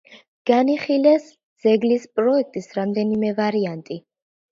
განიხილეს ძეგლის პროექტის რამდენიმე ვარიანტი.